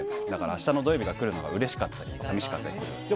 明日の土曜日が来るのがうれしかったりさみしかったりして。